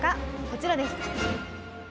こちらです。